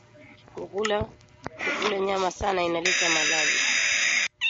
Kukula nyama sana ina leta malali